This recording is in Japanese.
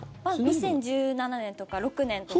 ２０１７年とか６年とか。